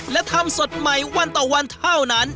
และทำสดใหม่วันต่อวันเท่านั้น